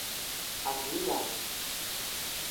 ¡Anína!